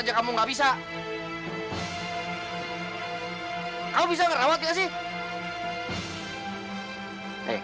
jangan kita biar pas ini tukar uamak